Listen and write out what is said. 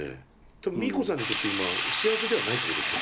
多分ミーコさんにとって今幸せではないってことでしょ？